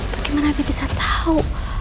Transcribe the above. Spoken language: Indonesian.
bagaimana dia bisa tau